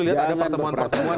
lihat ada pertemuan pertemuan